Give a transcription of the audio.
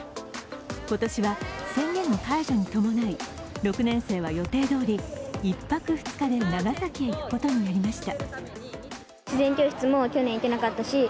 今年は宣言の解除に伴い６年生は予定どおり１泊２日で長崎へ行くことになりました。